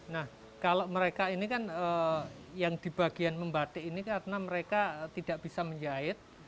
nah kalau mereka ini kan yang di bagian membatik ini karena mereka tidak bisa menjahit